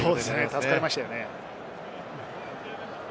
助かりましたよね。